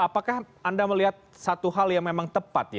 apakah anda melihat satu hal yang memang tepat ya